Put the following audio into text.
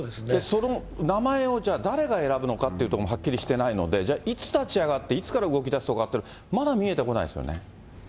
その名前をじゃあ、誰が選ぶのかっていうところもはっきりしてないので、いつ立ち上がっていつから動きだすのかっていうのがまだ見えてこないですよね。